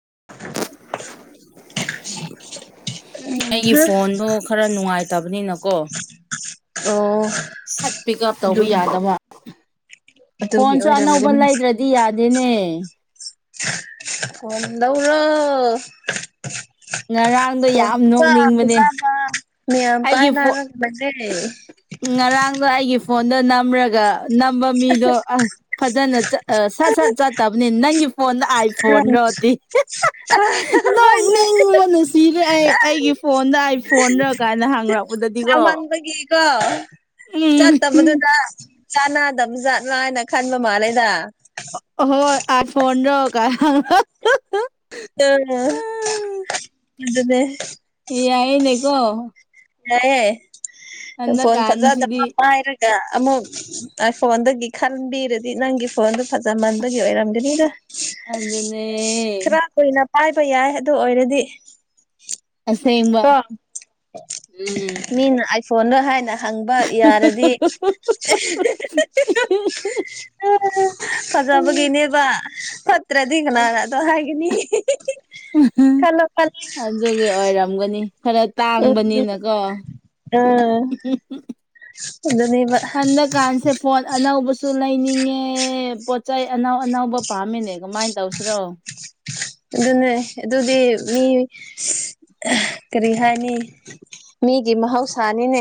[unintelligible] ꯑꯩꯒꯤ ꯐꯣꯟꯗꯣ ꯈꯔ ꯅꯨꯡꯉꯥꯏꯇꯕꯅꯤꯅꯀꯣ ꯑꯣ ꯁꯠ ꯄꯤꯛꯑꯞ ꯇꯧꯕ ꯑꯗꯨꯒꯤ ꯌꯥꯗꯕ ꯑꯗꯨꯒꯤ ꯐꯣꯟꯁꯨ ꯑꯅꯧꯕ ꯑꯣꯏꯔꯝꯒꯅꯤ ꯂꯩꯗ꯭ꯔꯗꯤ ꯌꯥꯗꯦꯅꯦ ꯀꯗꯧꯔ ꯉꯔꯥꯡꯗꯣ ꯀ ꯌꯥꯝ ꯇ ꯅꯣꯛꯅꯤꯡꯕꯅꯦ ꯆꯖ ꯃꯤ ꯑꯃ ꯑꯩꯒꯤ ꯐꯣ ꯄꯥꯏꯅꯔ ꯉꯔꯥꯡꯗꯣ ꯑꯩꯒꯤ ꯐꯣꯟꯗꯣ ꯅꯝꯔꯒ ꯅꯝꯕ ꯃꯤꯗꯣ ꯑ ꯐꯖꯅ ꯁꯠ ꯁꯠ ꯆꯠꯇꯕꯅꯤ ꯅꯪꯒꯤ ꯐꯣꯟꯗ ꯑꯥꯏ ꯐꯣꯟ ꯔꯣꯗꯤ ꯅ ꯍꯣꯏꯅꯦ ꯅꯤꯡꯉꯣꯟꯅ ꯁꯤꯔꯦ ꯑꯩ ꯑꯩꯒꯤ ꯐꯣꯟꯗ ꯑꯩ ꯐꯣꯟꯗ꯭ꯔ ꯀꯥꯟꯗ ꯍꯥꯡꯅꯛꯄꯗꯗꯤꯀꯣ ꯀ ꯆꯠꯇꯕꯗꯨꯗ ꯆꯥꯅꯗꯕ ꯖꯥꯠꯅ ꯍꯥꯏꯅ ꯈꯟꯕ ꯃꯥꯜꯂꯦꯗ ꯍꯣꯏ ꯑ ꯐꯣꯟꯣꯟ ꯔꯣ ꯀꯥꯏ ꯑꯥ ꯑꯗꯨ ꯑꯗꯨꯅꯦ ꯍ ꯌꯥꯏꯅꯦꯀꯣ ꯌꯥꯏꯑꯌꯦꯦ ꯐꯣꯟ ꯍꯟꯗꯛꯀꯥꯟꯁꯤꯗꯤ ꯐꯖꯖꯄ ꯍꯥꯏꯔꯒ ꯑꯃꯨꯛ ꯐꯣꯟꯗꯒꯤ ꯈꯟꯕꯤꯔꯗꯤ ꯅꯪꯒꯤ ꯐꯣꯟꯗꯨꯣ ꯐꯖꯃꯟꯕꯒꯤ ꯑꯣꯏꯔꯝꯒꯅꯤꯗ ꯑꯗꯨꯅꯦ ꯍꯥꯏꯥꯏꯕ ꯌꯥꯏ ꯑꯗꯨ ꯑꯣꯏꯔꯗꯤ ꯑꯁꯦꯡꯕ ꯀꯣ ꯎꯝ ꯃꯤꯅ ꯑꯥꯏꯐꯣꯟꯗꯣ ꯍꯥꯏꯅ ꯍꯪꯕ ꯌꯥꯔꯗꯤ ꯐꯖꯕꯒꯤꯅꯦꯕ ꯐꯠꯇ꯭ꯔꯗꯤ ꯀꯅꯥꯒ ꯑꯗꯣ ꯍꯥꯏꯒꯅꯤ ꯈꯜꯂꯣ ꯈꯜꯂꯣ ꯑꯗꯨꯒꯤ ꯑꯣꯏꯔꯝꯒꯅꯤ ꯈꯔ ꯎꯝ ꯇꯥꯡꯕꯅꯤꯅꯀꯣ ꯑꯥ ꯑꯗꯨꯅꯦꯕ ꯍꯟꯗ ꯀꯥꯟꯁꯦ ꯐꯣꯟ ꯑꯅ ꯎꯕꯨꯁꯨ ꯂꯩꯅꯤꯡꯉꯦ ꯄꯣꯠ ꯆꯩ ꯑꯅꯥꯎ ꯑꯅꯧꯕꯕ ꯄꯥꯝꯃꯤꯅꯦ ꯀꯃꯥꯏꯅ ꯇꯧꯁꯤꯔꯣ ꯑꯗꯨꯅꯦ ꯑꯗꯨꯗꯤ ꯃꯤ ꯀꯔꯤ ꯍꯥꯏꯅꯤ ꯃꯤꯒꯤ ꯃꯍꯧꯁꯥꯅꯤꯅꯦ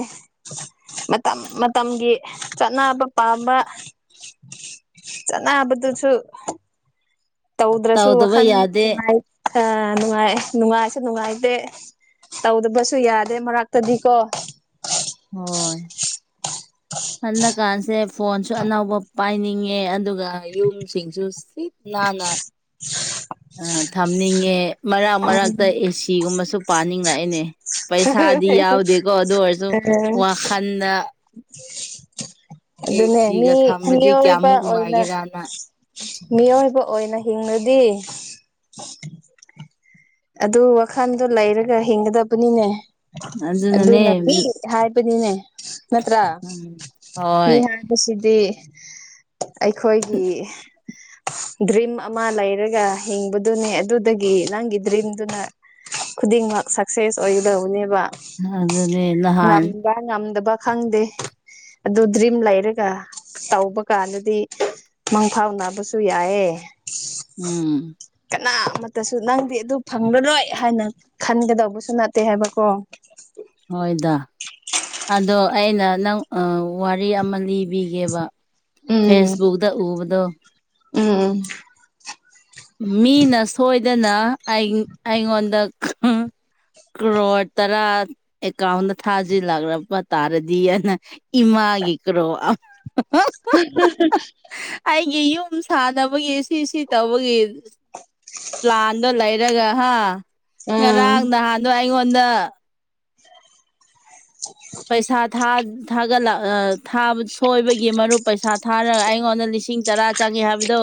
ꯃꯇꯝ ꯃꯇꯝꯒꯤ ꯆꯠꯅꯕ ꯄꯥꯝꯕ ꯆꯅꯥꯕꯗꯨꯨ ꯁꯨ ꯇꯧꯗ꯭ꯔꯁꯨ ꯇꯧꯗꯕ ꯋꯥꯈꯜ ꯌꯥꯗꯦ ꯅꯨꯡꯉꯥꯏ ꯑ ꯅꯨꯡꯉꯥꯏ ꯅꯨꯡꯉꯥꯏꯁꯨ ꯅꯨꯡꯉꯥꯏꯇꯦ ꯇꯧꯗꯕꯁꯨ ꯌꯥꯗꯦ ꯃꯔꯛꯇꯗꯤꯀꯣ ꯍꯣꯏ ꯍ ꯍꯟꯗꯛꯀꯥꯟꯁꯦ ꯐꯣꯟꯁꯨ ꯑꯅꯧꯕ ꯄꯥꯏꯅꯤꯡꯉꯦ ꯑꯗꯨꯒ ꯌꯨꯝꯁꯤꯡꯁꯨ ꯁꯤ ꯅꯥꯟꯅ ꯍ ꯑ ꯊꯝꯅꯤꯡꯉꯦ ꯃꯔꯛ ꯃꯔꯛꯇ ꯎꯝ ꯑꯦꯁꯤꯒꯨꯝꯕꯁꯨ ꯄꯥꯅꯤꯡꯉꯛꯏꯅꯦ ꯄꯩꯁꯥꯗꯤ ꯌꯥꯎꯗꯦꯀꯣ ꯑꯗꯨ ꯑꯣꯏꯔꯁꯨ ꯋꯥꯈꯜꯗ ꯑꯗꯨꯅꯦ ꯃꯤ ꯑꯦꯁꯤꯒ ꯊꯝꯃꯗꯤ ꯃꯤꯑꯣꯏꯕ ꯀꯌꯥꯃꯨꯛ ꯑꯣꯏꯅ ꯅꯨꯡꯉꯥꯏꯒꯦꯔꯅ ꯃꯤꯑꯣꯏꯕ ꯑꯣꯏꯅ ꯍꯤꯡꯉꯗꯤ ꯑꯗꯨ ꯋꯥꯈꯜꯗꯣ ꯂꯩꯔꯒ ꯍꯤꯡꯒꯗꯕꯅꯤꯅꯦ ꯑꯗꯨꯅꯅꯦ ꯑꯗꯨꯅꯄꯤ ꯍꯥꯏꯕꯅꯤꯅꯦ ꯅꯠꯇ꯭ꯔ ꯎꯝ ꯃꯤ ꯍꯣꯏ ꯍꯥ ꯁꯤꯗꯗꯤ ꯑꯩꯈꯣꯏꯒꯤ ꯗ꯭ꯔꯤꯝ ꯑꯃ ꯂꯩꯔꯒ ꯍꯤꯡꯕꯗꯨꯅꯦ ꯑꯗꯨꯗꯒꯤ ꯅꯪꯒꯤ ꯗ꯭ꯔꯤꯝꯗꯨꯅ ꯈꯨꯗꯤꯡꯃꯛ ꯁꯛꯁꯦꯁ ꯑꯣꯏꯒꯗꯕꯅꯦꯕ ꯑꯗꯨꯅꯦ ꯅꯍꯥꯟ ꯉꯝꯕ ꯉꯝꯗꯕ ꯈꯪꯗꯦ ꯑꯗꯨ ꯗ꯭ꯔꯤꯝ ꯂꯩꯔꯒ ꯇꯧꯕ ꯀꯥꯟꯗꯗꯤ ꯃꯪꯐꯥꯎꯅꯕꯁꯨ ꯌꯥꯏꯑꯦ ꯎꯝ ꯀꯅꯥ ꯑꯃꯠꯇꯁꯨ ꯅꯪꯗꯤ ꯑꯗꯨ ꯐꯪꯂꯔꯣꯏ ꯍꯥꯏꯅ ꯈꯟꯒꯗꯧꯕꯁꯨ ꯅꯠꯇꯦ ꯍꯥꯏꯕꯀꯣ ꯍꯣꯏꯗ ꯑꯗꯣ ꯑꯩꯅ ꯅꯪ ꯋꯥꯔꯤ ꯑꯃ ꯂꯤꯕꯤꯒꯦꯕ ꯐꯦꯁꯕꯨꯛꯗ ꯎꯕꯗꯣ ꯎꯝ ꯎꯝ ꯃꯤꯅ ꯁꯣꯏꯗꯅ ꯑꯩꯉꯣꯟꯗ ꯀ꯭ꯔꯣꯣꯔ ꯇꯔꯥ ꯑꯦꯀꯥꯎꯟꯗ ꯊꯥꯖꯤꯜꯂꯛꯂꯄ ꯇꯥꯔꯗꯤ ꯑꯅ ꯏꯃꯥꯒꯤ ꯀ꯭ꯔꯣ [inaudible] ꯑꯩꯒꯤ ꯌꯨꯝ ꯁꯥꯟꯅꯕꯒꯤ ꯁꯤ ꯁꯤ ꯇꯧꯕꯒꯤ ꯄꯥꯟꯗꯣ ꯂꯩꯔꯒ ꯍꯥ ꯎꯝ ꯉꯔꯥꯡ ꯅꯍꯥꯟꯗꯣ ꯗ ꯄꯩꯁꯥ ꯊꯥ ꯊꯥꯠꯂ ꯁꯣꯏꯕꯒꯤ ꯃꯔꯨꯞ ꯄꯩꯁꯥ ꯊꯥꯔꯒ ꯑꯩꯉꯣꯟꯗ ꯂꯤꯁꯤꯡ ꯇꯔꯥ ꯆꯪꯉꯦ ꯍꯥꯏꯕꯗꯣ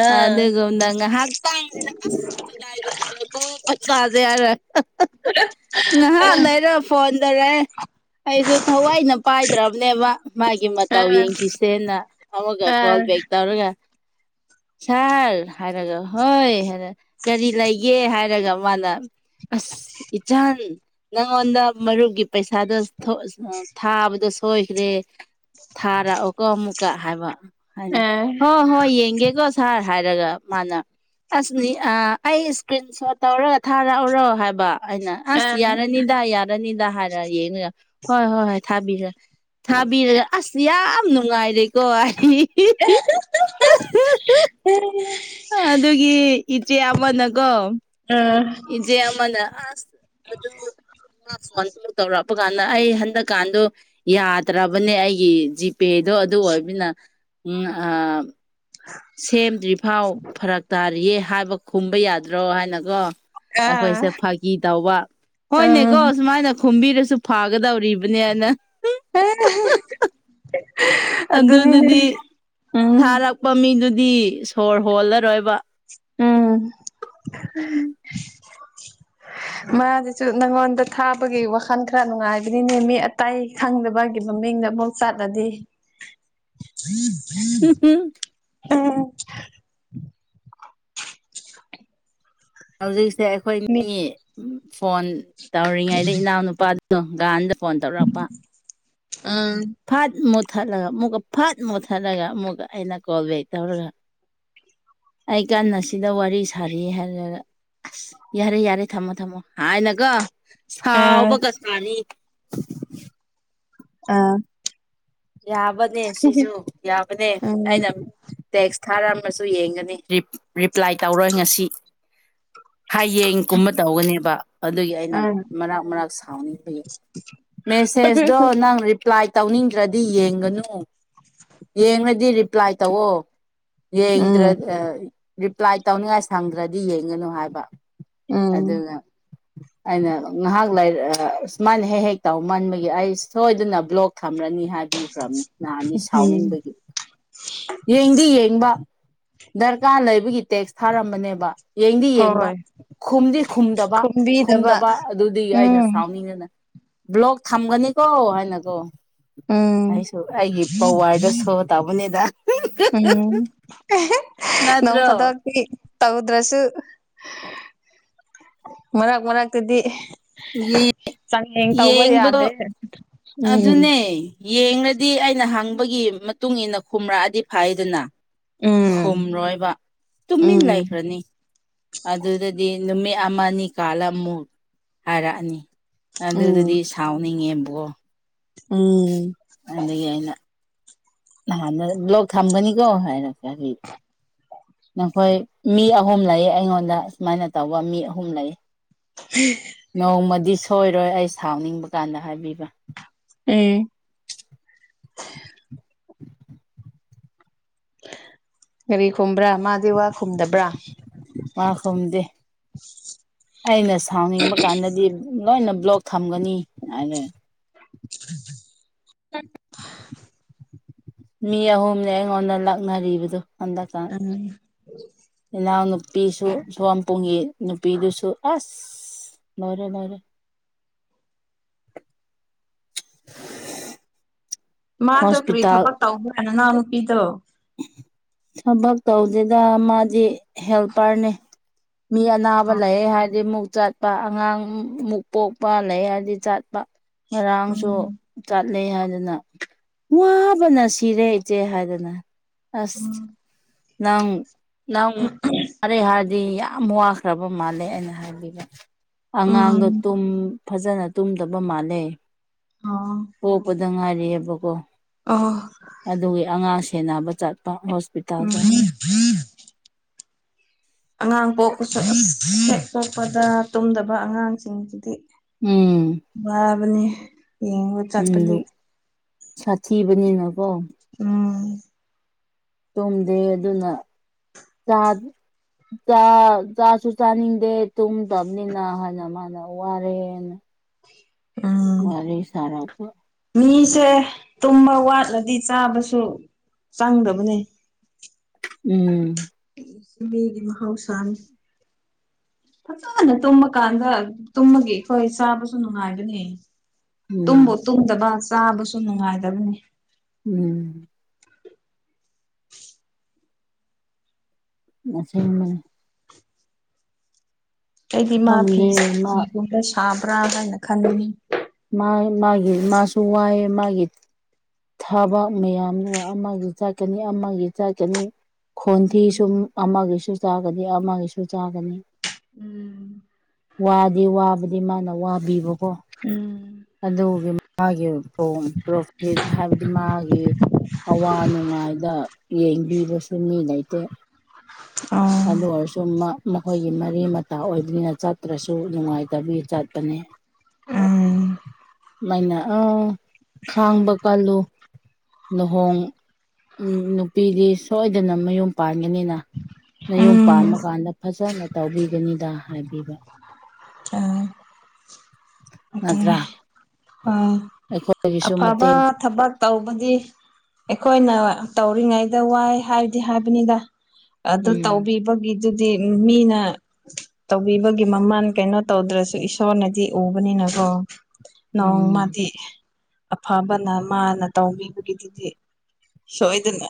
ꯑꯥ ꯑꯗꯦꯒꯗꯪ ꯗꯥꯗꯒꯔ ꯀ ꯄꯆꯥꯁ ꯌꯥꯔ ꯉꯍ ꯅꯔꯣ ꯐꯣꯟ ꯇꯔꯦ ꯑꯩꯁꯨ ꯊꯋꯥꯏꯅ ꯄꯥꯏꯗ꯭ꯔꯕꯅꯦꯕ ꯃꯥꯒꯤ ꯃꯇꯥꯎ ꯑꯥ ꯌꯦꯡꯈꯤꯁꯦꯅ ꯑꯃꯒ ꯑꯥ ꯀꯣꯜ ꯕ ꯇꯔꯒ ꯁꯥꯔ ꯍꯥꯏꯔꯒ ꯍꯣꯏ ꯀꯔꯤ ꯂꯩꯒꯦ ꯍꯥꯏꯔꯒ ꯑꯃ ꯃꯥꯅ ꯑꯁ ꯏꯆꯥꯟ ꯅꯪꯉꯣꯟꯗ ꯃꯔꯨꯞꯒꯤ ꯄꯩꯁꯥꯗꯣ ꯊꯥꯕꯗꯣ ꯁꯣꯏꯈ꯭ꯔꯦ ꯊꯥꯔꯛꯑꯣꯀ ꯑꯃꯨꯛꯀ ꯍꯥꯏꯕ ꯍꯥꯏꯅ ꯑꯥ ꯍꯣꯏ ꯍꯣꯏ ꯌꯦꯡꯒꯦꯀꯣ ꯁꯥꯔ ꯍꯥꯏꯔꯒ ꯃꯥꯅ ꯑꯁꯅꯤ ꯑꯩ ꯏꯁꯀ꯭ꯔꯤꯟ ꯁꯣꯠ ꯇꯧꯔꯒ ꯊꯥꯔꯛꯎꯔꯣ ꯍꯥꯏꯕ ꯍꯥꯏꯅ ꯑꯁ ꯌꯥꯔꯅꯤꯗ ꯌꯥꯔꯅꯤꯗ ꯍꯥꯏꯔ ꯌꯦꯡꯉꯒ ꯍꯣꯏ ꯍꯣꯏ ꯍꯣꯏ ꯊꯥꯕꯤꯔ ꯊꯥꯕꯤꯔꯒ ꯑꯁ ꯌꯥꯝ ꯅꯨꯡꯉꯥꯏꯔꯦꯀꯣ ꯑꯩ ꯎ ꯑꯗꯨꯒꯤ ꯏꯆꯦ ꯑꯃꯅꯀꯣ ꯏꯆꯦ ꯑꯃꯅ ꯑꯁ ꯑꯗꯨ ꯇꯧꯔꯕ ꯆꯄ ꯀꯥꯟꯗ ꯑꯩ ꯍꯟꯗꯛ ꯀꯥꯟꯗꯣ ꯌꯥꯗ꯭ꯔꯕꯅꯦ ꯑꯩꯒꯤ ꯖꯤ ꯄꯦꯗꯣ ꯑꯗꯨ ꯑꯣꯏꯕꯅ ꯎꯝ ꯁꯦꯝꯗ꯭ꯔꯤꯐꯥꯎ ꯐꯔꯛ ꯇꯥꯔꯤꯌꯦ ꯍꯥꯏꯕ ꯈꯨꯝꯕ ꯌꯥꯗ꯭ꯔꯣ ꯍꯥꯏꯅꯀꯣ ꯑꯥ ꯑꯩꯈꯣꯏꯁꯦ ꯑꯥ ꯐꯥꯒꯤ ꯇꯧꯕ ꯎꯝ ꯍꯣꯏꯅꯦꯀꯣ ꯁꯨꯃꯥꯏꯅ ꯈꯨꯝꯕꯤꯔꯁꯨ ꯐꯥꯒꯗꯧꯔꯤꯕꯅꯤ ꯍꯥꯏꯅ ꯍ ꯑꯗꯨꯗꯨꯗꯤ ꯎꯝ ꯊꯥꯔꯛꯄ ꯃꯤꯗꯨꯗꯤ ꯗꯤ ꯁꯣꯔ ꯍꯣꯜꯂꯔꯣꯏꯕ ꯎꯝ ꯎ [inaudible] ꯃꯥꯁꯤꯁꯨ ꯅꯪꯉꯣꯟꯗ ꯊꯥꯕꯒꯤ ꯋꯥꯈꯜ ꯈꯔ ꯅꯨꯡꯉꯥꯏꯕꯅꯤꯅꯦ ꯃꯤ ꯑꯇꯥꯏ ꯈꯪꯗꯕꯒꯤ ꯃꯤꯡꯗ ꯑꯃꯨꯛ ꯆꯠꯂꯗꯤ ꯎꯝ ꯎꯝ ꯎꯝ ꯍꯧꯖꯤꯛꯁꯦ ꯃꯤ ꯑꯩꯈꯣꯏꯅꯤ ꯐꯣꯟ ꯇꯧꯔꯤꯉꯩꯗ ꯏꯅꯥꯎꯅꯨꯄꯥꯗ ꯑꯣ ꯥꯟꯗ ꯐꯣꯟ ꯇꯧꯔꯛꯄ ꯎꯝ ꯎ ꯐꯠ ꯃꯨ ꯃꯨꯠ ꯊꯠꯂꯒ ꯑꯃꯨꯛꯀ ꯐꯠ ꯃꯨꯛꯠꯊꯠꯂꯒ ꯑꯃꯨꯛꯀ ꯑꯩꯅ ꯀꯣꯜ ꯕꯦꯛ ꯇꯧꯔꯒ ꯑꯩ ꯀꯥꯟ ꯑꯁꯤꯗ ꯋꯥꯔꯤ ꯁꯥꯔꯤ ꯍꯥꯏꯔꯒ ꯑꯁ ꯌꯥꯔꯦ ꯌꯥꯔꯦ ꯊꯝꯃꯣ ꯊꯝꯃꯣ ꯍꯥꯏꯅꯒ ꯑꯥ ꯁꯥꯎꯕꯒ ꯆꯅꯤ ꯑꯥ ꯌꯥꯕꯅꯦ ꯁꯤꯁꯨ ꯌꯥꯕꯅꯦ ꯎꯝ ꯑꯩꯅ ꯇꯦꯛꯁ ꯊꯥꯔꯝꯃꯁꯨ ꯌꯦꯡꯒꯅꯤ ꯔꯤꯄ꯭ꯂꯥꯏ ꯇꯧꯔꯣꯏ ꯉꯁꯤ ꯍꯌꯦꯡ ꯀꯨꯝꯕ ꯇꯧꯒꯅꯦꯕ ꯑꯗꯨꯒꯤ ꯑꯩꯅ ꯑꯥ ꯃꯔꯛ ꯃꯔꯥꯛ ꯁꯥꯎꯅꯤꯡꯕꯒꯤ ꯃꯦꯁꯦꯁꯇꯣ ꯅꯪ ꯔꯤꯄ꯭ꯂꯥꯏ ꯇꯧꯅꯤꯡꯒꯦ ꯅꯠꯇ꯭ꯔꯗꯤ ꯌꯦꯡꯒꯅꯨ ꯌꯦꯡꯉꯗꯤ ꯔꯤꯄ꯭ꯂꯥꯏ ꯇꯧꯑꯣ ꯌꯦꯡꯗ꯭ꯔ ꯎꯝ ꯔꯤꯄ꯭ꯂꯥꯏ ꯇꯧꯅꯤꯡꯉꯥꯏ ꯁꯪꯗ꯭ꯔꯗꯤ ꯌꯦꯡꯒꯅꯨ ꯍꯥꯏꯕ ꯎꯝ ꯑꯗꯨꯗ ꯑꯩꯅ ꯉꯥꯏꯍꯥꯛ ꯂꯥꯏꯔꯤꯛ ꯁꯨꯃꯥꯏꯅ ꯍꯦꯛ ꯍꯦꯛ ꯇꯧ ꯃꯟꯕꯒꯤ ꯑꯩ ꯁꯣꯏꯗꯅ ꯕ꯭ꯂꯣꯛ ꯊꯝꯔꯅꯤ ꯍꯥꯏꯕꯤꯈ꯭ꯔꯕꯅꯤ ꯅꯍꯥꯟꯅꯤ ꯎꯝ ꯁꯥꯎꯅꯤꯡꯕꯒꯤ ꯌꯦꯡꯗꯤ ꯌꯦꯡꯕ ꯗꯔꯀꯥꯔ ꯂꯩꯕꯒꯤ ꯇꯦꯛꯁ ꯊꯥꯔꯝꯕꯅꯦꯕ ꯌꯦꯡꯗꯤ ꯌꯦꯡꯕ ꯍꯣꯏ ꯈꯨꯝꯗꯤ ꯈꯨꯝꯗꯕ ꯈꯨꯝꯕꯤꯗꯕ ꯈꯨꯝꯗꯕ ꯑꯗꯨꯗꯤ ꯑꯩꯅ ꯎꯝ ꯁꯥꯎꯅꯤꯡꯉꯅ ꯕ꯭ꯂꯣꯛ ꯊꯝꯒꯅꯤꯀꯣ ꯍꯥꯏꯅꯀꯣ ꯎꯝ ꯑꯩꯁꯨ ꯑꯩꯒꯤ ꯄꯋꯥꯔꯗ ꯁꯣꯕ ꯇꯥꯕꯅꯦꯗ ꯎꯝ ꯅꯪ ꯅꯠꯇ꯭ꯔꯣ ꯐꯠꯇꯗꯤ ꯇꯧꯗ꯭ꯔꯁꯨ ꯃꯔꯛ ꯃꯔꯛꯇꯨꯗꯤ ꯌꯦ ꯌꯦꯡꯕꯗꯣ ꯌꯥꯗꯦ ꯎꯝ ꯑꯗꯨꯅꯦ ꯌꯦꯡꯗꯤ ꯑꯩꯅ ꯍꯪꯕ ꯒꯤ ꯃꯇꯨꯡ ꯏ ꯃꯇꯨꯡꯏꯟꯅ ꯈꯔꯛꯑꯗꯤ ꯐꯥꯏꯗꯅ ꯎꯝ ꯈꯨꯝꯔꯣꯏꯕ ꯇꯨꯃꯤꯟ ꯎꯝ ꯂꯩꯈ꯭ꯔꯅꯤ ꯑꯗꯨꯗꯗꯤ ꯅꯨꯃꯤꯠ ꯑꯃꯅꯤ ꯑꯅꯤ ꯀꯥꯜꯂ ꯑꯃꯨꯛ ꯍꯥꯏꯔꯛꯑꯅꯤ ꯎꯝ ꯑꯗꯨꯗꯗꯤ ꯁꯥꯎꯅꯤꯡꯉꯦꯕ ꯑꯣ ꯎꯝ ꯅꯍꯥꯟꯅ ꯂꯣꯛ ꯊꯝꯒꯅꯤꯀꯣ ꯍꯥꯏꯔꯒ ꯅꯈꯣꯏ ꯃꯤ ꯑꯍꯨꯝ ꯂꯩꯌꯦ ꯑꯩꯉꯣꯟꯗ ꯁꯨꯃꯥꯏꯅ ꯇꯧꯕ ꯃꯤ ꯑꯍꯨꯝ ꯂꯩ ꯅꯣꯡꯃꯗꯤ ꯁꯣꯏꯔꯣꯏ ꯑꯩ ꯁꯥꯎꯅꯤꯡꯕ ꯀꯥꯟꯗ ꯍꯥꯏꯕꯤꯕ ꯎꯝ ꯎ ꯀꯔꯤ ꯈꯨꯕ꯭ꯔꯥ ꯃꯥꯗꯤ ꯋꯥ ꯈꯨꯝꯗꯕ꯭ꯔꯥ ꯃꯥ ꯈꯨꯝꯗꯦ ꯑꯩꯅ ꯁꯥꯎꯅꯤꯡꯕ ꯀꯥꯟꯗꯗꯤ ꯂꯣꯏꯅ ꯕ꯭ꯂꯣꯛ ꯊꯝꯒꯅꯤ ꯍꯥꯏꯔ [inaudible] ꯃꯤ ꯑꯍꯨꯝꯅꯦ ꯑꯩꯉꯣꯟꯗ ꯂꯥꯛꯅꯔꯤꯕꯗꯨ ꯎ ꯏꯅꯥꯎ ꯅꯨꯄꯤꯁꯨ ꯁꯣꯋꯥꯝ ꯄꯨꯡꯒꯤ ꯅꯨꯄꯤꯗꯨꯁꯨ ꯑꯁ ꯑꯁ ꯂꯣꯏꯔꯦ ꯂꯣꯏꯔꯦ [inaudible] ꯃꯥꯗꯣ ꯀꯔꯤ ꯍꯣꯁꯄꯤꯇꯥꯜ ꯊꯕꯛ ꯇꯧꯗ꯭ꯔꯥ ꯅꯅꯥꯎ ꯅꯨꯄꯤꯗꯣ ꯊꯕꯛ ꯇꯧꯗꯨꯗ ꯃꯥꯗꯤ ꯍꯦꯜꯄꯔꯅꯦ ꯃꯤ ꯑꯅꯥꯕ ꯂꯩꯑꯦ ꯍꯥꯏꯔꯗꯤ ꯑꯃꯨꯛ ꯆꯠꯄ ꯑꯉꯥꯡ ꯃꯨꯛ ꯄꯣꯛꯄ ꯂꯩꯔꯗꯤ ꯆꯠꯄ ꯉꯔꯥꯡꯁꯨ ꯎꯝ ꯆ ꯆꯠ ꯂꯩ ꯍꯥꯏꯗꯅ ꯋꯥꯕꯅ ꯁꯤꯔꯦ ꯏꯆꯦ ꯍꯥꯏꯗꯅ ꯑꯁ ꯂꯪ ꯂꯪ ꯃꯔꯦ ꯍꯥꯏꯔ ꯗꯤ ꯌꯥꯝ ꯋꯥꯈ꯭ꯔꯕ ꯃꯥꯜꯂꯦ ꯑꯩꯅ ꯍꯥꯏꯕꯤꯕ ꯎꯝ ꯑꯉꯥꯡꯗꯣ ꯇꯨꯝ ꯐꯖꯅ ꯇꯨꯝꯗꯕ ꯃꯥꯥꯟꯅꯩ ꯑꯥ ꯗ ꯉꯥꯏꯔꯤꯑꯦꯕꯀꯣ ꯑꯗꯨꯒꯤ ꯑꯉꯥꯡ ꯁꯦꯟꯅꯕ ꯆꯠꯄ ꯍꯣꯁꯄꯤꯇꯥꯜꯗ ꯝꯝ ꯑꯉꯥꯡ ꯄꯣꯛꯄ ꯍꯦꯛ ꯄꯣꯛꯄꯗ ꯇꯨꯝꯗꯕ ꯑꯉꯥꯡꯁꯤꯡꯁꯤꯗꯤ ꯎꯝ꯫ ꯅꯦ ꯌꯦꯡꯉꯕ ꯆꯠꯄꯗꯤ ꯎꯝ ꯁꯥꯊꯤꯕꯅꯤꯅꯀꯣ꯫ ꯎꯝ ꯇꯨꯝꯗꯦ ꯑꯗꯨꯅ ꯆꯥ꯫ ꯥ ꯆꯥ ꯆꯥꯁꯨ ꯆꯥꯅꯤꯡꯗꯦ ꯇꯨꯝꯗꯕꯅꯤꯅ ꯍꯥꯏꯅ ꯃꯥꯅ ꯋꯥꯔꯦꯅ꯫ ꯎꯝ ꯋꯥꯔꯤꯔꯦ ꯁꯔꯥ ꯀ ꯃꯤꯁꯦ ꯇꯨꯝꯕ ꯋꯥꯠꯂꯗꯤ ꯆꯥꯕꯁꯨ ꯆꯪꯗꯕꯅꯦ꯫ ꯎꯝ꯫ ꯃꯤꯒꯤ ꯃꯍꯧꯁꯥꯅꯤ꯫ ꯐꯖꯅ ꯇꯨꯝꯃꯀꯥꯟꯗ ꯇꯨꯝꯃꯒꯤ ꯑꯩꯈꯣꯏ ꯆꯥꯕꯁꯨ ꯅꯨꯡꯉꯥꯏꯒꯅꯤ꯫ ꯎꯝ ꯇꯨꯝꯕ ꯇꯨꯝꯗꯕ ꯆꯥꯕꯁꯨ ꯅꯨꯡꯉꯥꯏꯗꯕꯅꯤ꯫ ꯎꯝ꯫ ꯑꯁꯅꯦ ꯑꯩꯗꯤ ꯃꯥ ꯐꯤ ꯈꯪꯗꯦ ꯃꯥ ꯐꯤꯒꯨꯝꯕ ꯁꯥꯕ꯭ꯔꯥ ꯍꯥꯏꯅ ꯈꯟꯕꯅꯤ꯫ ꯃꯥ ꯃꯥꯒꯤ ꯃꯥꯁꯨ ꯋꯥꯑ ꯃꯥꯒꯤ꯫ ꯊꯕꯛ ꯃꯌꯥꯝꯗꯨ ꯑꯃꯒꯤ ꯆꯠꯀꯅꯤ ꯑꯃꯒꯤ ꯆꯠꯀꯅꯤ꯫ ꯈꯣꯟꯊꯤ ꯎꯝ ꯁꯨꯝ ꯑꯃꯒꯤꯁꯨ ꯆꯥꯒꯅꯤ ꯑꯃꯒꯤꯁꯨ ꯆꯥꯒꯅꯤ꯫ ꯎꯝ ꯋꯥꯗꯤ ꯋꯥꯕꯨꯗꯤ ꯃꯥꯅ ꯋꯥꯕꯤꯕꯀꯣ꯫ ꯎꯝ ꯑꯗꯨꯒꯤ ꯃꯥꯒꯤ ꯄ꯭ꯔꯣꯐꯤꯠ ꯍꯥꯏꯕꯗꯤ ꯃꯥꯒꯤ ꯑꯋꯥ ꯅꯨꯡꯉꯥꯏꯗ ꯌꯦꯡꯕꯤꯕꯁꯨ ꯃꯤ ꯂꯩꯇꯦ꯫ ꯑꯣ ꯑꯗꯨ ꯑꯣꯏꯔꯁꯨ ꯃꯈꯣꯏꯒꯤ ꯃꯔꯤ ꯃꯇꯥ ꯑꯣꯏꯕꯅꯤꯅ ꯆꯠꯇ꯭ꯔꯁꯨ ꯅꯨꯡꯉꯥꯏꯇꯕꯤ ꯆꯠꯄꯅꯦ꯫ ꯑꯝ ꯃꯥꯏꯅ ꯑꯥ ꯈꯥꯡꯕ ꯀꯜꯂꯨ꯫ ꯂꯨꯍꯣꯡ ꯎꯝ ꯅꯨꯄꯤꯗꯤ ꯁꯣꯏꯗꯅ ꯃꯌꯨꯝ ꯄꯥꯟꯒꯅꯤꯅ꯫ ꯅꯌꯨꯝ ꯎꯝ ꯄꯥꯟꯃꯀꯥꯟꯗ ꯐꯖꯅ ꯇꯧꯕꯤꯕꯅꯤꯗ ꯍꯥꯏꯕꯤꯕ꯫ ꯅꯠꯇ꯭ꯔꯥ ꯑꯗꯨꯅ ꯑ ꯑꯩꯈꯣꯏꯒꯤꯁꯨ ꯑꯐꯕ ꯃꯇꯦꯡ ꯊꯕꯛ ꯇꯧꯕꯗꯤ ꯑꯩꯈꯣꯏꯅ꯫ ꯇꯧꯔꯤꯉꯩꯗ ꯋꯥꯏ ꯍꯥꯏꯔꯗꯤ ꯍꯥꯏꯕꯅꯤꯗ꯫ ꯑꯗꯨ ꯎꯝ ꯇꯧꯕꯤꯕꯒꯤꯗꯨꯗꯤ ꯃꯤꯅ꯫ ꯇꯧꯕꯤꯕꯒꯤ ꯃꯃꯜ ꯀꯩꯅꯣ ꯇꯧꯗ꯭ꯔꯁꯨ ꯏꯁꯣꯔꯅꯗꯤ ꯎꯕꯅꯤꯅꯀꯣ꯫ ꯎꯝ ꯅꯣꯡꯃꯗꯤ ꯑꯐꯕꯅ ꯃꯥꯅ ꯇꯧꯕꯤꯕꯒꯤꯗꯨꯗꯤ꯫ ꯁꯣꯏꯗꯅ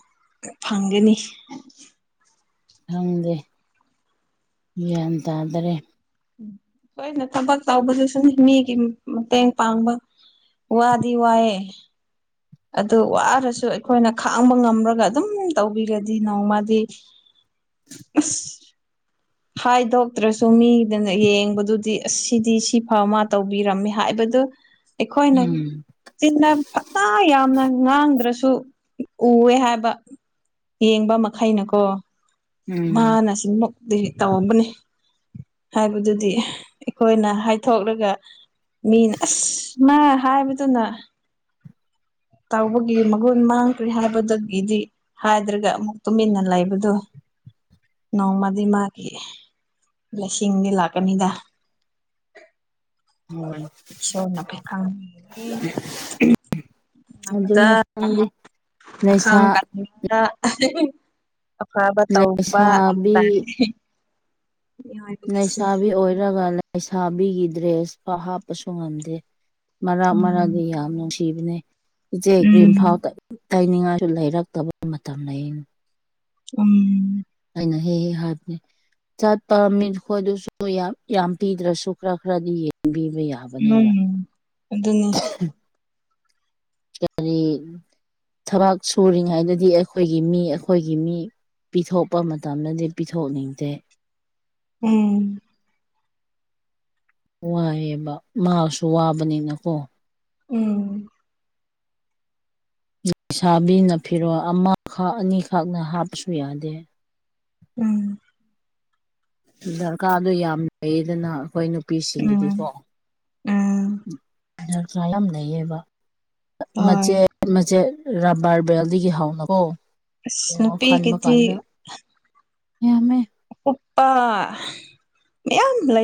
ꯐꯪꯒꯅꯤ꯫ ꯈꯪꯗꯦ ꯒ꯭ꯌꯥꯟ ꯇꯥꯗ꯭ꯔꯦ꯫ ꯎ ꯍꯣꯏꯅ ꯊꯕꯛ ꯇꯧꯕꯗꯨꯁꯨꯨꯝ ꯃꯤꯒꯤ ꯃꯇꯦꯡ ꯄꯥꯡꯕ ꯋꯥꯗꯤ ꯋꯥꯑ꯫ ꯑꯗꯨ ꯋꯥꯔꯁꯨ ꯑꯩꯈꯣꯏꯅ ꯈꯥꯡꯕ ꯉꯝ꯭ꯔꯒ ꯑꯗꯨꯝ ꯇꯧꯕꯤꯒꯗꯤ ꯅꯣꯡꯃꯗꯤ꯫ ꯑꯁ ꯍꯥꯏꯗꯣꯛꯇ꯭ꯔꯁꯨ ꯃꯤꯗꯅ ꯌꯦꯡꯕꯗꯨꯗꯤ ꯑꯁ ꯁꯤꯗꯤ ꯁꯤ ꯐ ꯃꯥ ꯇꯧꯕꯤꯔꯝꯃꯤ ꯍꯥꯏꯕ ꯑꯗꯨ ꯎꯝ ꯑꯩꯈꯣꯏꯅ ꯐꯇꯥ ꯌꯥꯝꯅ ꯉꯥꯡꯗ꯭ꯔꯁꯨ ꯁꯨ ꯎꯋꯦ ꯍꯥꯏꯕ ꯌꯦꯡꯕ ꯃꯈꯩꯅꯀꯣ꯫ ꯎꯝ ꯃꯥꯅ ꯁꯤꯃꯨꯛꯇꯤ ꯇꯧꯕꯅꯤ꯫ ꯍꯥꯏꯕꯗꯨꯗꯤ ꯑꯩꯈꯣꯏꯅ ꯍꯥꯏꯊꯣꯛꯂꯒ꯫ ꯃꯤꯅ ꯑꯁ ꯃꯥ ꯍꯥꯏꯕꯗꯨꯅ꯫ ꯇꯥꯎꯕꯒꯤ ꯃꯒꯨꯟ ꯃꯥꯡꯈ꯭ꯔꯦ ꯍꯥꯏꯕꯗꯒꯤꯗꯤ ꯍꯥꯏꯗ꯭ꯔꯒ ꯑꯃꯨꯛ ꯇꯨꯃꯤꯟꯅ ꯂꯩꯕꯗꯨ꯫ ꯅꯣꯡꯃꯗꯤ ꯃꯥꯒꯤ ꯂꯤꯁꯤꯡꯗꯤ ꯂꯥꯛꯀꯅꯤꯗ꯫ ꯍꯣꯏ ꯏꯁꯧꯅ ꯈꯤꯗꯪ ꯑꯗꯨꯅꯦ ꯈꯪꯗꯦ ꯂꯩꯁꯥ ꯈꯥꯡ ꯀ ꯐꯥꯕ ꯇꯧꯕ ꯍꯥꯏꯕ ꯂꯩꯁꯥꯕꯤ ꯇꯥꯔꯦ ꯃꯤꯑꯣꯏꯕꯒꯤꯁꯦ ꯂꯩꯩꯁꯥꯕꯤ ꯑꯣꯏꯔꯒ ꯂꯩꯁꯥꯕꯤꯒꯤ ꯗ꯭ꯔꯦꯁ ꯍꯥꯞꯄꯁꯨ ꯉꯝꯗꯦ ꯃꯔꯛ ꯃꯔꯛꯗꯤ ꯌꯥꯝ ꯅꯨꯡꯁꯤꯕꯅꯦ ꯏꯆꯦ ꯀ꯭ꯔꯤꯝ ꯐꯥꯎ ꯎꯝ ꯇꯥꯏꯅꯤꯡꯉꯥꯏꯁꯨ ꯂꯩꯔꯛꯇꯕ ꯃꯇꯝ ꯑꯩꯅ ꯎꯝ ꯍꯥꯕꯅꯦ ꯆꯠꯄꯝꯃꯤꯈꯣꯏ ꯑꯗꯨꯁꯨ ꯌꯥꯝ ꯄꯤꯗ꯭ꯔꯁꯨ ꯈꯔ ꯈꯔꯗꯤ ꯌꯦꯡꯕꯤ ꯌꯥꯕꯅꯦꯕ ꯎꯝ ꯑꯗꯨꯅꯤ ꯀꯔꯤ [inaudible] ꯊꯕꯛ ꯁꯨꯔꯤꯉꯩꯗꯗꯤ ꯑꯩꯈꯣꯏꯒꯤ ꯃꯤ ꯑꯩꯈꯣꯏꯒꯤ ꯃꯤ ꯄꯤꯊꯣꯛꯄ ꯃꯇꯝꯗꯗꯤ ꯄꯤꯊꯣꯛꯅꯤꯡꯗꯦ ꯎꯝ ꯋꯥꯏꯑꯦꯕ ꯃꯥꯁꯨ ꯋꯥꯕꯅꯤꯅꯀꯣ ꯎꯝ ꯂꯩꯁꯥꯕꯤꯅ ꯐꯤꯔꯣꯜ ꯑꯃꯈꯛ ꯑꯅꯤꯈꯛꯅ ꯍꯥꯞꯄꯁꯨ ꯌꯥꯗꯦ ꯎꯝ ꯗꯔꯀꯥꯔꯗꯨꯣ ꯌꯥꯝ ꯂꯩꯗꯅ ꯑꯩꯈꯣꯏ ꯅꯨ ꯎꯝ ꯅꯨꯄꯤꯁꯤꯡꯒꯤꯗꯤꯀꯣ ꯎꯝ ꯌꯥꯝ ꯂꯩꯌꯦꯕ ꯍꯣꯏ ꯃꯆꯦꯠ ꯃꯆꯦꯠ ꯔꯕꯥꯔ ꯕꯦꯜꯗꯒꯤ ꯍꯧꯥꯎꯅ ꯀꯣ ꯑꯁ ꯉ ꯈꯗ ꯃꯀꯥꯟꯗꯃꯦ ꯅꯨꯄꯤꯒꯤꯗꯤ ꯎꯄꯥ ꯃꯌꯥꯝ ꯂꯩ